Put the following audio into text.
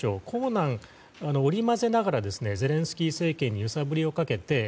硬軟織り交ぜながらゼレンスキー政権に揺さぶりをかけて。